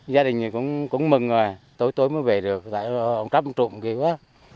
gia đình cũng mừng rồi tối tối mới về được tại ông cắp trộm kì quá